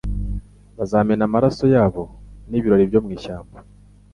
bazamena amaraso yabo nibirori byo mwishyamba